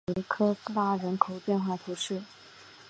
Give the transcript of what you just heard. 考尔什圣尼科拉人口变化图示